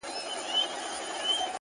هره موخه د تمرکز او نظم غوښتنه کوي.!